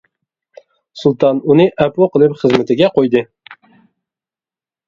سۇلتان ئۇنى ئەپۇ قىلىپ خىزمىتىگە قويدى.